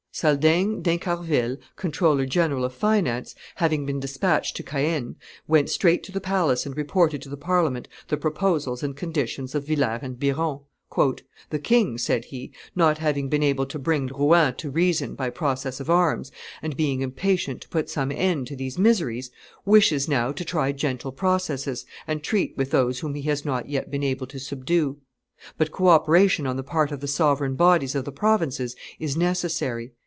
Saldaigne d'Incarville, comptroller general of finance, having been despatched to Caen, went straight to the palace and reported to the Parliament the proposals and conditions of Villers and Biron. "The king," said he, "not having been able to bring Rouen to reason by process of arms, and being impatient to put some end to these miseries, wishes now to try gentle processes, and treat with those whom he has not yet been able to subdue; but co operation on the part of the sovereign bodies of the provinces is necessary."